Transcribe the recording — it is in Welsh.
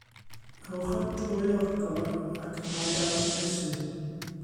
Rhowch o drwy ogor, ac yna ei ail-gynhesu.